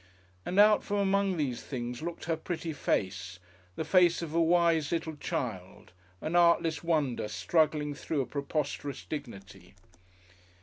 And out from among these things looked her pretty face, the face of a wise little child an artless wonder struggling through a preposterous dignity.